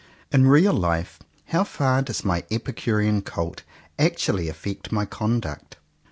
In real life, how far does my epicurean cult actually affect my conduct